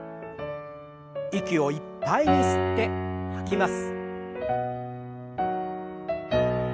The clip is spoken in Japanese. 息をいっぱいに吸って吐きます。